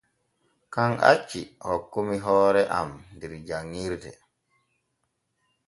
Kan acci hokkumi hoore am der janŋirde.